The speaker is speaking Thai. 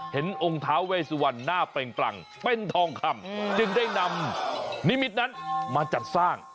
เห็นองค์ท้าเวสุวรรณหน้าเปล่งปรังเป็นทองคำจึงได้นำนิมิตนั้นมาจัดสร้าง